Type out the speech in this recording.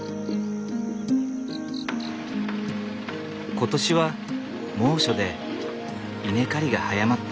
今年は猛暑で稲刈りが早まった。